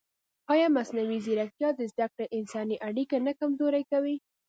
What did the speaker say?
ایا مصنوعي ځیرکتیا د زده کړې انساني اړیکه نه کمزورې کوي؟